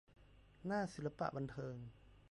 หน้าศิลปะบันเทิง